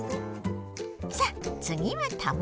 さあつぎは卵よ。